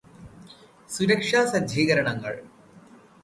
സുരക്ഷാ സജ്ജീകരണങ്ങള്